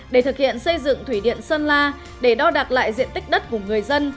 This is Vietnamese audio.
để thực hiện xây dựng thủy điện sơn la để đo đạc lại diện tích đất của người dân